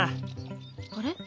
あれ？